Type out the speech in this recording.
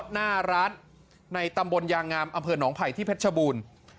หน้าร้านในตำบลยางงามอำเภอหนองไผ่ที่เพชรชบูรณ์